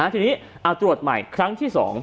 ทีนี้เอาตรวจใหม่ครั้งที่๒